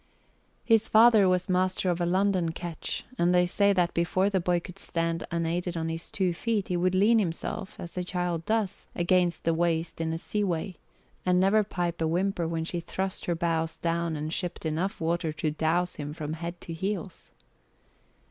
His father was master of a London ketch, and they say that before the boy could stand unaided on his two feet he would lean himself, as a child does, against the waist in a seaway, and never pipe a whimper when she thrust her bows down and shipped enough water to douse him from head to heels.